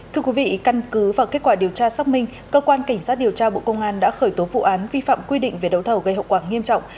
thưa quý vị căn cứ và kết quả điều tra xác minh cơ quan cảnh sát điều tra bộ công an đã khởi tố vụ án vi phạm quy định về đấu thầu gây hậu quả nghiêm trọng